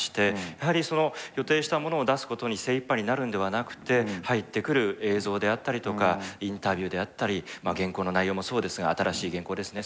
やはりその予定したものを出すことに精いっぱいになるんではなくて入ってくる映像であったりとかインタビューであったり原稿の内容もそうですが新しい原稿ですね。